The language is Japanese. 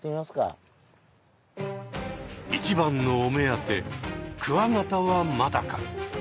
一番のお目当てクワガタはまだか。